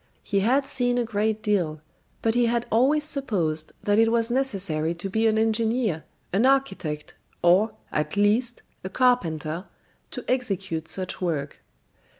He had seen a great deal; but he had always supposed that it was necessary to be an engineer, an architect, or, at least, a carpenter, to execute such work.